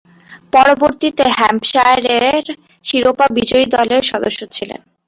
পরবর্তীতে হ্যাম্পশায়ারের শিরোপা বিজয়ী দলের সদস্য ছিলেন।